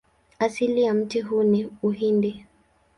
Asili ya mti huu ni Uhindi.